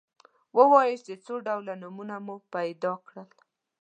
ووایاست چې څو ډوله نومونه مو پیدا کړل.